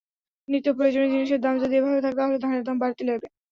নিত্যপ্রয়োজনীয় জিনিসের দাম যদি এভাবে থাকে, তাহলে ধানের দাম বাড়তি লাগবে।